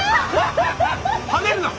跳ねるな！